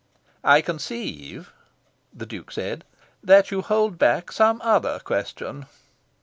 "I conceive," the Duke said, "that you hold back some other question."